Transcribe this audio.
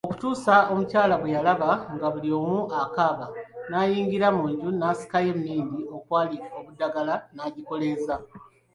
okutuusa omukyala bwe yalaba nga buli omu akaaba nayingira mu nju nasikayo emmindi okwali obudaagala nagikoleeza.